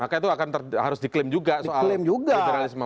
maka itu akan harus diklaim juga soal liberalisme